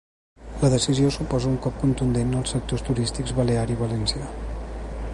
La decisió suposa un cop contundent als sectors turístics balear i valencià.